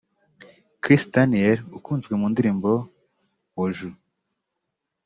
Kiss Daniel ukunzwe mu ndirimbo ‘Woju’